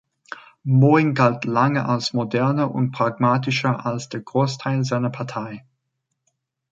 Mohring galt lange als „moderner und pragmatischer“ als der Großteil seiner Partei.